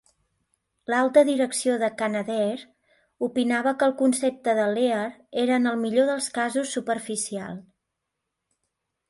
L'alta direcció de Canadair opinava que el concepte de Lear era en el millor dels casos superficial.